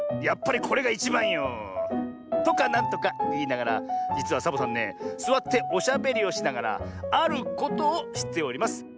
やっぱりこれがいちばんよ。とかなんとかいいながらじつはサボさんねすわっておしゃべりをしながらあることをしております。